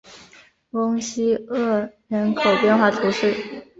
翁西厄人口变化图示